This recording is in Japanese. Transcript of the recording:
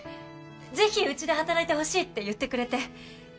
「ぜひうちで働いてほしい」って言ってくれて。